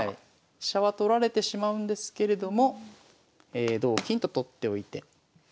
飛車は取られてしまうんですけれども同金と取っておいて。